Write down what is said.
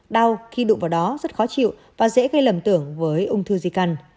đau khi đụng vào đó rất khó chịu và dễ gây lầm tưởng với ung thư gì cần